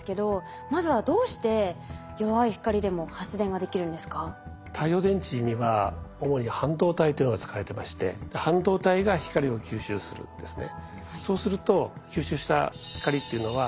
まずは太陽電池には主に半導体というのが使われてまして半導体が光を吸収するんですね。